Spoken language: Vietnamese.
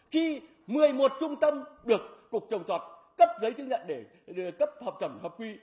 khi một mươi một trung tâm được cục trồng tọt cấp giấy chứng nhận để cấp hợp trẩm hợp quy